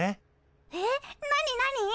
えっ何何！？